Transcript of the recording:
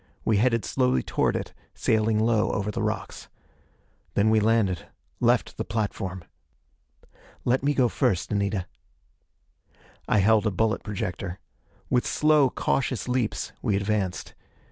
We headed slowly toward it, sailing low over the rocks. Then we landed, left the platform. "Let me go first, Anita." I held a bullet projector. With slow, cautious leaps, we advanced.